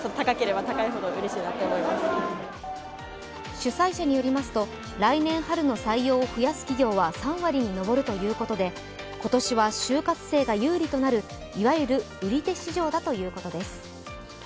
主催者によりますと、来年春の採用を増やす企業は３割に上るとのことで、今年は就活生が有利となる、いわゆる売手市場だということです。